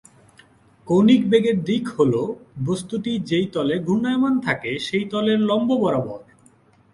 কৌণিক বেগের দিক হলো বস্তুটি যে তলে ঘূর্ণায়মান, থাকে সেই তলের লম্ব বরাবর।